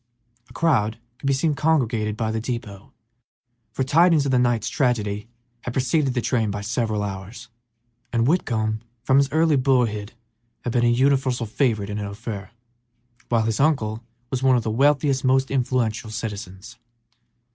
A crowd could be seen congregated about the depot, for tidings of the night's tragedy had preceded the train by several hours, and Whitcomb from his early boyhood had been a universal favorite in Ophir, while his uncle was one of its wealthiest, most influential citizens.